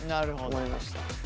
思いました。